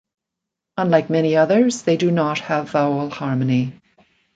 Unlike many others, they do not have vowel harmony.